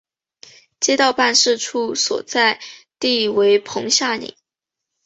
街道办事处所在地为棚下岭。